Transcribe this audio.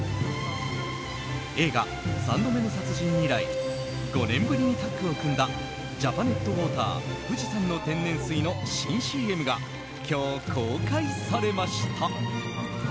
映画「三度目の殺人」以来５年ぶりにタッグを組んだジャパネットウォーター富士山の天然水の新ＣＭが今日公開されました。